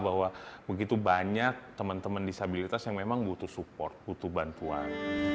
bahwa begitu banyak teman teman disabilitas yang memang butuh support butuh bantuan